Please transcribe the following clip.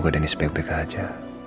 semoga denny sepeka peka aja